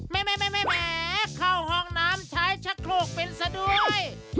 แม่เข้าห้องน้ำใช้ชะโครกเป็นซะด้วย